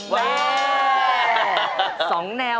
ว้าว